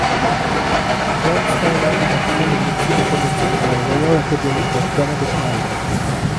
John Steiner apprend le métier de comédien à la Royal Academy of Dramatic Art.